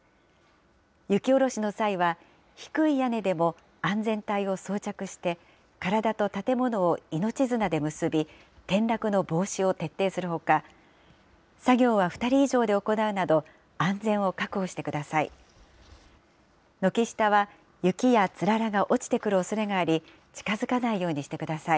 雪下ろしの際は、低い屋根でも安全帯を装着して、体と建物を命綱で結び、転落の防止を徹底するほか、作業は２人以上で行うなど、安全を確保してください。